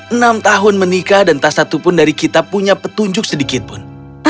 enam tahun menikah dan tak satupun dari kita punya petunjuk sedikitpun